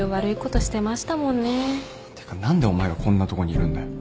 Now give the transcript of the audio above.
てか何でお前がこんなとこにいるんだよ？